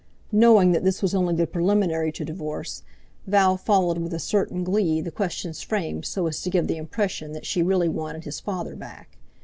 Knowing that this was only the preliminary to divorce, Val followed with a certain glee the questions framed so as to give the impression that she really wanted his father back.